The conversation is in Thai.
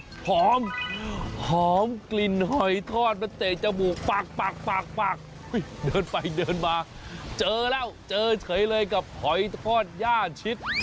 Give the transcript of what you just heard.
หอมหอมกลิ่นหอยทอดมันเตะจมูกปากปากเดินไปเดินมาเจอแล้วเจอเฉยเลยกับหอยทอดย่าชิด